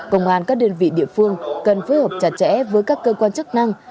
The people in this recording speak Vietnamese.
công an các đơn vị địa phương cần phối hợp chặt chẽ với các cơ quan chức năng